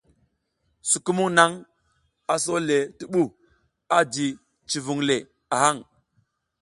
Sukumung nang aso le ti bu, a ji civing le a hang.